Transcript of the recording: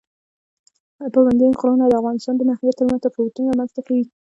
پابندی غرونه د افغانستان د ناحیو ترمنځ تفاوتونه رامنځ ته کوي.